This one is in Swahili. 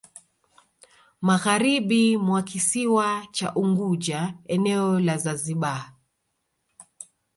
Magharibi mwa kisiwa cha Unguja eneo la Zanzibar